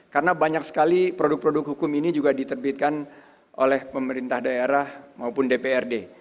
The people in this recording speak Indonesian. karena banyak sekali produk produk hukum ini juga diterbitkan oleh pemerintah daerah maupun dprd